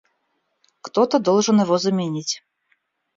Кто-то должен его заменить.